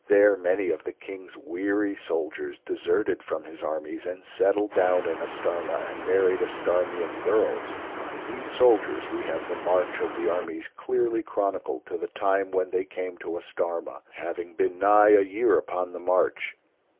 There many of the King's weary soldiers deserted from his armies and settled down in Astarma and married Astarmian girls. By these soldiers we have the march of the armies clearly chronicled to the time when they came to Astarma, having been nigh a year upon the march.